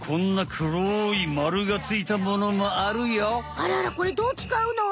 あらあらこれどう使うの？